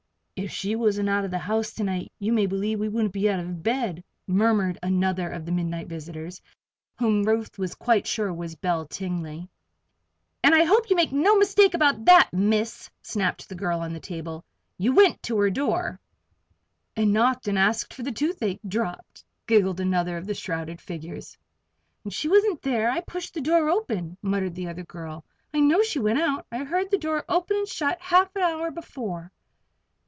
"If she wasn't out of the house to night you may believe we wouldn't be out of bed," murmured another of the midnight visitors, whom Ruth was quite sure was Belle Tingley. "And I hope you made no mistake about that, Miss!" snapped the girl on the table. "You went to her door." "And knocked, and asked for toothache drops," giggled another of the shrouded figures. "And she wasn't there. I pushed the door open," muttered the other girl. "I know she went out. I heard the door open and shut half an hour before."